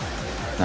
何？